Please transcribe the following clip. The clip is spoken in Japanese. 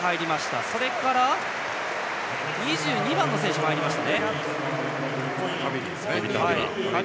それから、２２番のハビリ選手も入りました。